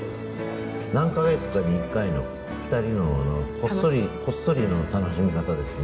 何か月かに１回の２人のこっそりの楽しみ方ですね。